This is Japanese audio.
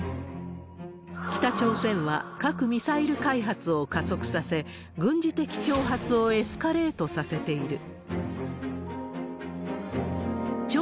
北朝鮮は核・ミサイル開発を加速させ、軍事的挑発をエスカレートさせている。